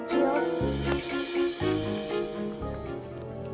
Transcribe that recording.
hidah serang anak kecil